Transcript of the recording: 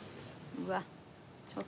うわっ